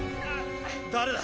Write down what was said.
誰だ？